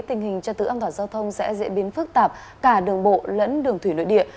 tình hình cho tử âm thoảng giao thông sẽ dễ biến phức tạp cả đường bộ lẫn đường thủy nội địa